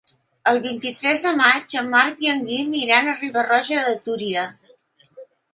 El vint-i-tres de maig en Marc i en Guim iran a Riba-roja de Túria.